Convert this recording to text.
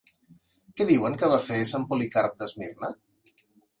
Què diuen que va fer Sant Policarp d'Esmirna?